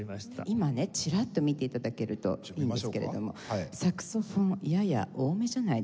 今ねチラッと見て頂けるといいんですけれどもサクソフォンやや多めじゃないですか？